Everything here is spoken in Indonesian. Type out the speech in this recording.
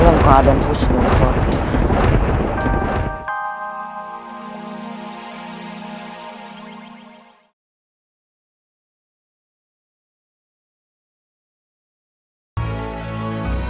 dalam keadaan husni dan khawatir